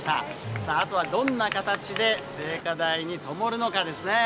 さあ、あとはどんな形で聖火台にともるのかですね。